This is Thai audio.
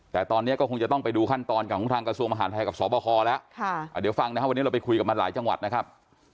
แต่ตอนนี้ก็คงจะต้องไปดูขั้นตอนของทางกระทรวงมหาดไทยกับสบคแล้วเดี๋ยวฟังนะครับวันนี้เราไปคุยกับมันหลายจังหวัดนะครับ